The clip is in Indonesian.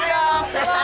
pak itta pak itta